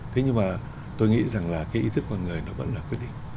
thế nhưng mà tôi nghĩ rằng là cái ý thức con người nó vẫn là quyết định